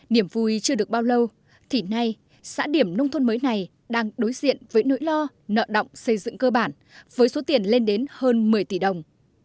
điểm vui chưa được bao lâu thì nay xã điểm nông thôn mới này đang đối diện với nỗi lo nợ động xây dựng cơ bản với số tiền lên đến hơn một mươi tỷ đồng